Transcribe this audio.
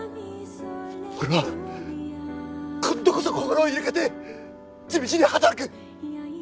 俺は今度こそ心を入れ替えて地道に働く！